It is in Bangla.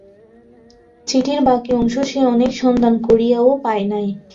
চিঠির বাকি অংশ সে অনেক সন্ধান করিয়াও পায় নাই।